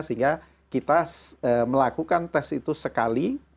sehingga kita melakukan tes itu sekali